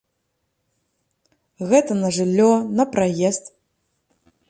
Гэта на жыллё, на праезд.